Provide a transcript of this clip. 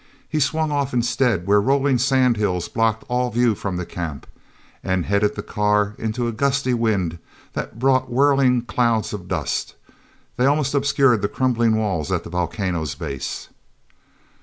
He swung off instead where rolling sand hills blocked all view from the camp, and he headed the car into a gusty wind that brought whirling clouds of dust; they almost obscured the crumbling walls at the volcano's base.